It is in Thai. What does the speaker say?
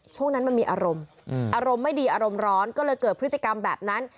ช่วงนั้นมันมีอารมณ์อารมณ์ไม่ดีอารมณ์ร้อนก็เลยเกิดพฤติกรรมแบบนั้น